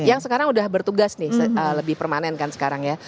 yang sekarang sudah bertugas nih lebih permanen kan sekarang ya